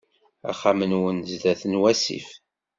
Axxam-nwen sdat n wasif.